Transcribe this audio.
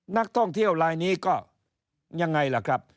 นักท่องเที่ยวลายนี้ก็ยังไงล่ะครับ